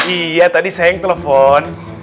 iya tadi saya yang telepon